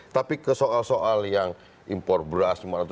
tapi ke soal soal yang impor beras